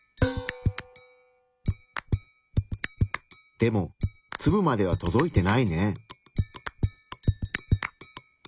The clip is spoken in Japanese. でもツブまでは届いてないね。